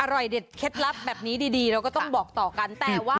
อร่อยเด็ดเคล็ดลับแบบนี้ดีเราก็ต้องบอกต่อกันแต่ว่า